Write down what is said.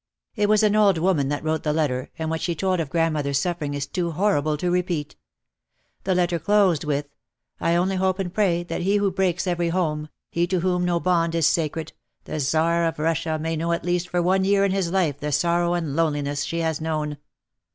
It was an old woman that wrote the letter and what she told of grandmother's suffering is too hor rible to repeat. The letter closed with : "I only hope and pray that he who breaks every home, he to whom no bond is sacred, the Czar of Russia, may know at least for one year in his life the sorrow and loneliness she has known."